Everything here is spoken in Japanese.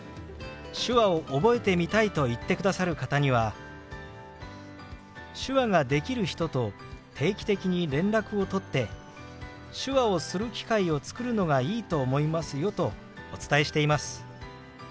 手話を覚えてみたいと言ってくださる方には「手話ができる人と定期的に連絡を取って手話をする機会を作るのがいいと思いますよ」とお伝えしています。